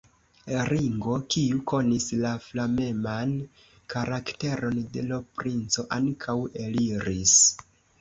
Ringo, kiu konis la flameman karakteron de l' princo, ankaŭ eliris.